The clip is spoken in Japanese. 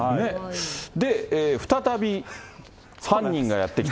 で、再び犯人がやって来た。